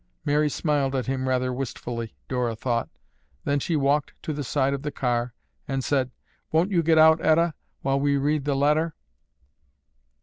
Mary smiled at him rather wistfully, Dora thought. Then she walked to the side of the car and said, "Won't you get out, Etta, while we read the letter?"